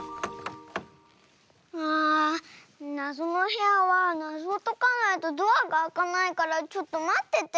あなぞのへやはなぞをとかないとドアがあかないからちょっとまってて。